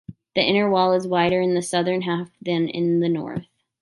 The inner wall is wider in the southern half than in the north.